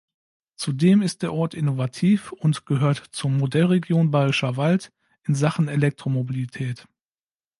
Zudem ist der Ort innovativ und gehört zur "Modellregion Bayerischer Wald" in Sachen "Elektromobilität".